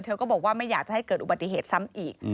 ก็บอกว่าไม่อยากจะให้เกิดอุบัติเหตุซ้ำอีก